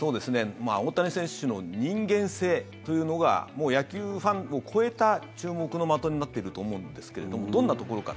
大谷選手の人間性というのがもう野球ファンを超えた注目の的になっていると思うんですけれどもどんなところか。